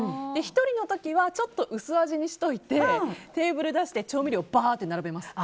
１人の時はちょっと薄味にしといてテーブル出して、調味料をばーっと並べます。